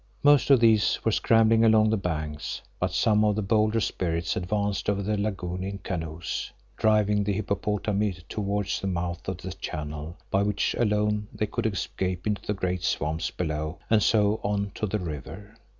Most of these were scrambling along the banks, but some of the bolder spirits advanced over the lagoon in canoes, driving the hippopotami towards the mouth of the channel by which alone they could escape into the great swamps below and so on to the river.